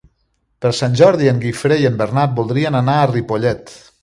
Per Sant Jordi en Guifré i en Bernat voldrien anar a Ripollet.